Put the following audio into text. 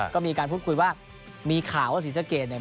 ก็มีการพูดคุยว่ามีข่าวว่าศรีสะเกดเนี่ย